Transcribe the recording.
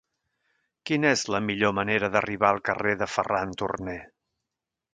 Quina és la millor manera d'arribar al carrer de Ferran Turné?